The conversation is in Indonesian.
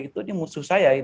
ini musuh saya